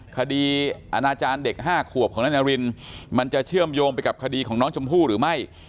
คดีอาณาจารย์เด็ก๕ขวบของนายนารินมันจะเชื่อมโยงไปกับคดีของน้องชมพู่หรือไม่